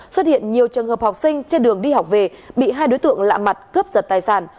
xuất hiện nhiều trường hợp học sinh trên đường đi học về bị hai đối tượng lạ mặt cướp giật tài sản